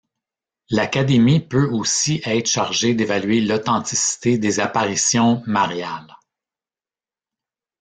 L'Académie peut aussi être chargée d'évaluer l'authenticité des apparitions mariales.